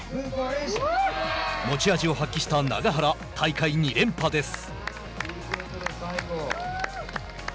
持ち味を発揮した永原大会２連覇です。